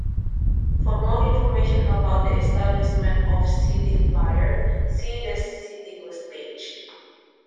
For more information about the establishment of Cityflyer, see the Citybus page.